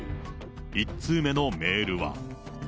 １通目のメールは。